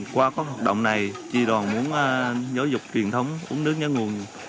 qua các hoạt động này tri đoàn muốn giáo dục truyền thống uống nước nhớ nguồn